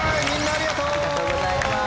ありがとうございます。